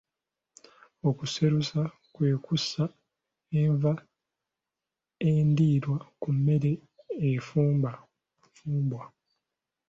Okuseruza kwe kussa enva endiirwa ku mmere efumbwa.